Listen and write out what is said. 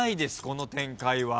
この展開は。